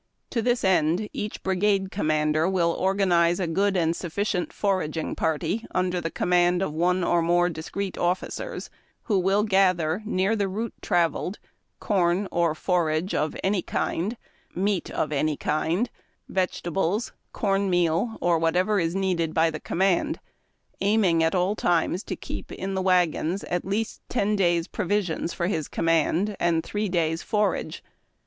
To this end each brigade commander will organ ize a good and sufficient foraging party under the command of one or more discreet officers, who will gather, near the route travelled, corn or forage of any kind, meat of any kind, vegetables, corn meal or whatever is needed b}^ the command, ainung at all times to keep in the wagons at least ten days' provisions for his command, and three daj^s' forage.